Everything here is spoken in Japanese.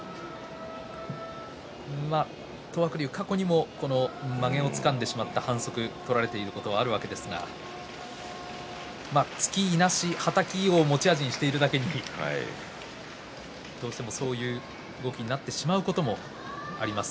東白龍、過去にもまげをつかんでしまった反則取られたことがありますが突き、いなし、はたきを持ち味にしているだけにどうしても、そういう動きになってしまうこともあります。